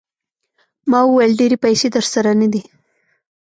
ما وویل ډېرې پیسې درسره نه دي.